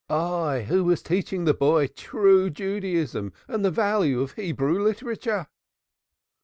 I, who was teaching the boy true Judaism and the value of Hebrew literature."